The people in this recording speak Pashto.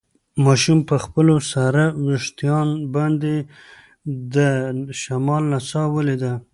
ماشوم په خپلو سره وېښتان باندې د شمال نڅا ولیده.